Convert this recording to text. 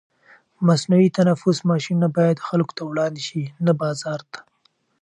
مصنوعي تنفس ماشینونه باید خلکو ته وړاندې شي، نه بازار ته.